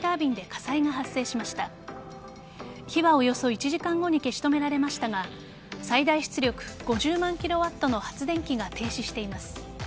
火はおよそ１時間後に消し止められましたが最大出力５０万キロワットの発電機が停止しています。